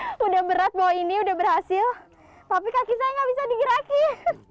aduh nggak bisa udah berat bahwa ini udah berhasil tapi kaki saya nggak bisa digerakkan